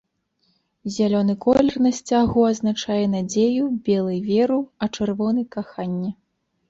Зялёны колер на сцягу азначае надзею, белы веру, а чырвоны каханне.